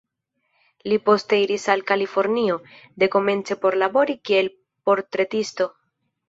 Li poste iris al Kalifornio, dekomence por labori kiel portretisto.